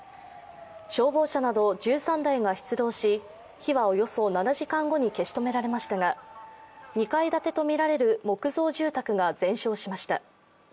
消防車など１３台が出動し火はおよそ７時間後に消し止められましたが、２階建てとみられる木造住宅が全焼しました。